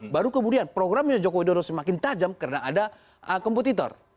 baru kemudian programnya joko widodo semakin tajam karena ada kompetitor